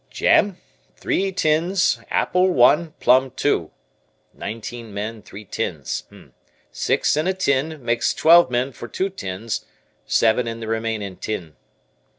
"Jam, three tins apple one, plum two. Nineteen men, three tins. Six in a tin, makes twelve men for two tins, seven in the remaining tin."